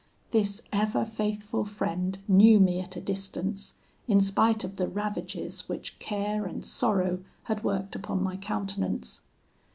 This ever faithful friend knew me at a distance, in spite of the ravages which care and sorrow had worked upon my countenance.